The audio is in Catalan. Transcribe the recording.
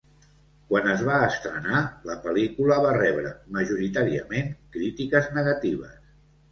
Quan es va estrenar, la pel·lícula va rebre, majoritàriament, crítiques negatives.